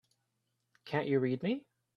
Can't you read me?